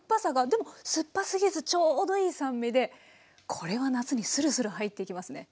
でも酸っぱすぎずちょうどいい酸味でこれは夏にスルスル入っていきますね。